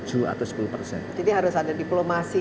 jadi harus ada diplomasinya lah